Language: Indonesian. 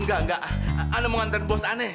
enggak enggak aneh mau nganterin bos aneh